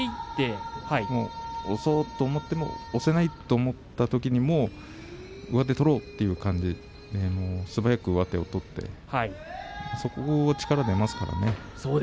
押せないと思ったときに上手を取ろうという素早く上手を取ってそこで力が出ますからね。